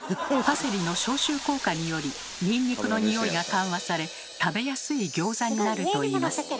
パセリの消臭効果によりにんにくのニオイが緩和され食べやすいギョーザになるといいます。